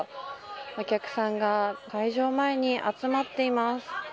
お客さんが会場前に集まっています。